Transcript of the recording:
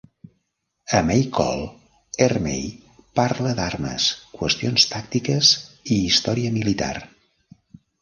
A "Mail Call", Ermey parla d'armes, qüestions tàctiques i història militar.